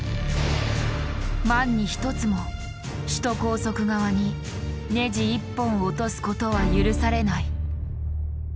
万に一つも首都高速側にネジ一本落とすことは許されない。